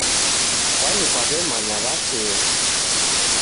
Kwani kwaw'emanya wachee